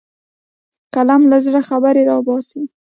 قلم له زړه خبرې راوباسي